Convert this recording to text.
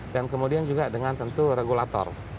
dan kemudian juga dengan tentu regulator